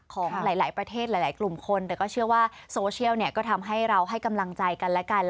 ของหลายประเทศหลายกลุ่มคนแต่ก็เชื่อว่าโซเชียลก็ทำให้เราให้กำลังใจกันและกัน